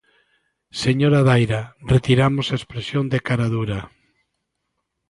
Señora Daira, retiramos a expresión de cara dura.